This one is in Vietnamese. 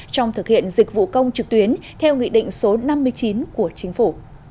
trong thực hiện dịch vụ công trực tuyến theo nghị định số năm mươi chín của chính phủ